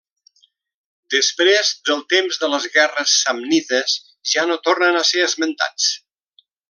Després del temps de les guerres samnites ja no tornen a ser esmentats.